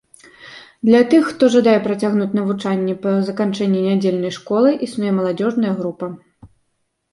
Для тых, хто жадае працягнуць навучанне па заканчэнні нядзельнай школы, існуе маладзёжная група.